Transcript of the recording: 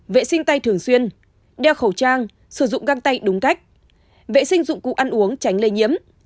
vệ sinh tay thường xuyên đeo khẩu trang sử dụng găng tay đúng cách vệ sinh dụng cụ ăn uống tránh lây nhiễm